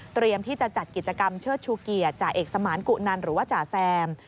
ที่จะจัดกิจกรรมเชิดชูเกียรติจ่าเอกสมานกุนันหรือว่าจ่าแซม